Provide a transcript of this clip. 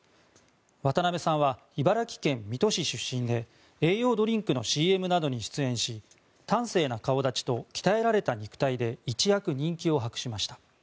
渡辺さんは茨城県水戸市出身で栄養ドリンクのＣＭなどに出演し端正な顔立ちと鍛えられた肉体で一躍、人気を博しました。